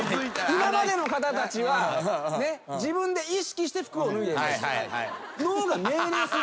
今までの方たちは自分で意識して服を脱いでいました。